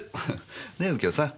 ねえ右京さん？